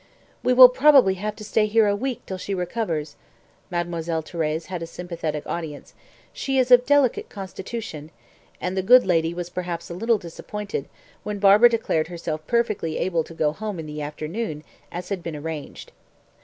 "We will probably have to stay here a week till she recovers" Mademoiselle Thérèse had a sympathetic audience "she is of delicate constitution;" and the good lady was perhaps a little disappointed when Barbara declared herself perfectly able to go home in the afternoon as had been arranged.